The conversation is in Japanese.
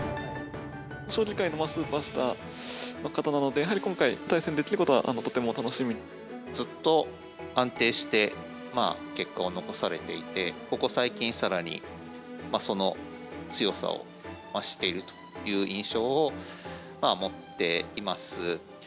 将棋界のスーパースターの方なので、やはり今回、対戦できるずっと安定して結果を残されていて、ここ最近、さらにその強さを増しているという印象を持っています。